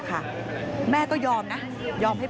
พบหน้าลูกแบบเป็นร่างไร้วิญญาณ